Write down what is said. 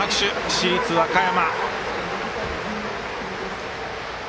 市立和歌山。